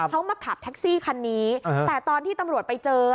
เขามาขับแท็กซี่คันนี้แต่ตอนที่ตำรวจไปเจอ